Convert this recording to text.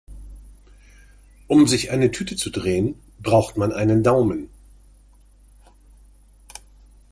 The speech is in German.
Um sich eine Tüte zu drehen, braucht man einen Daumen.